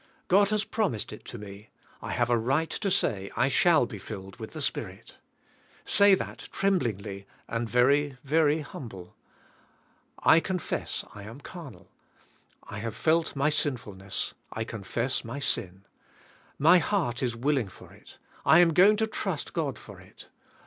God has promised it to me, I have a right to say, I shall be filled with the Spirit. Say that trembling ly and very, very humble. I confess I am carnal, I have felt my sinfulness, I confess my sin. My heart is willing for it; I am going to trust God for it.